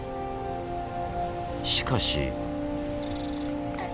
しかし。